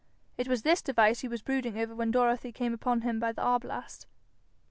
It was this device he was brooding over when Dorothy came upon him by the arblast.